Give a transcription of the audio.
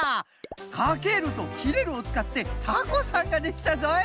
「かける」と「きれる」をつかってタコさんができたぞい。